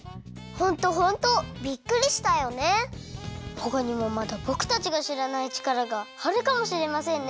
ほかにもまだぼくたちがしらないチカラがあるかもしれませんね！